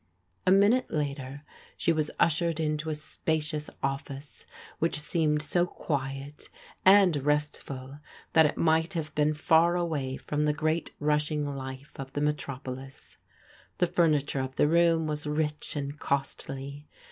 A minute later she was ushered into a spacious office which seemed so quiet and restful that it might have been far away from the great rushing life of the metropolis. The furniture of the room was rich and costly.